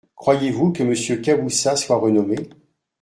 Croyez-vous que Monsieur Caboussat soit renommé ?